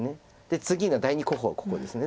で次が第２候補がここです。